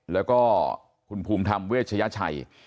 แล้วก็คุณภูมิธรรมเวชยชัย